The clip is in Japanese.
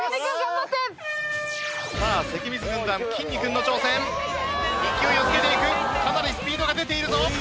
かなりスピードが出ているぞ。